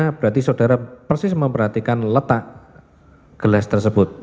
karena berarti saudara persis memperhatikan letak gelas tersebut